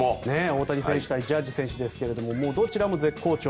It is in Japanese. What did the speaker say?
大谷選手対ジャッジ選手ですがもうどちらも絶好調。